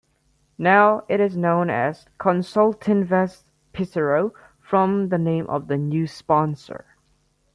Now, it is known as Consultinvest Pesaro, from the name of the new sponsor.